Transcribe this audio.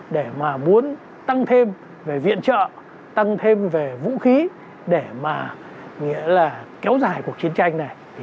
để muốn tăng thêm về viện trợ tăng thêm về vũ khí để kéo dài cuộc chiến tranh này